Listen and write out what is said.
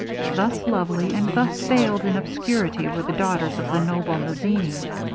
Thus lovely, and thus veiled in obscurity, were the daughters of the noble Mazzini.